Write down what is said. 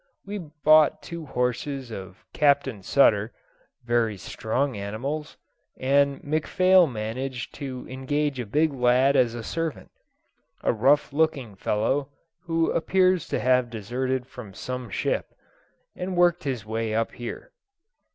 We bought two horses of Captain Sutter (very strong animals), and McPhail managed to engage a big lad as a servant a rough looking fellow, who appears to have deserted from some ship, and worked his way up here.